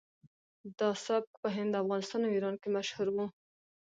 دا سبک په هند افغانستان او ایران کې مشهور و